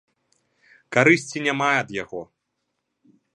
Карысці няма ад яго.